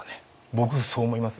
僕そう思います。